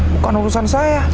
bukan urusan saya